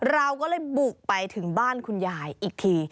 เราก็เลยบุกไปถึงบ้านคุณยายอีกที